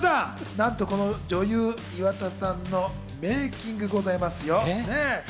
そして皆さん、女優・岩田さんのメイキングございますよ。